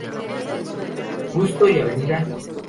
Justo y Av.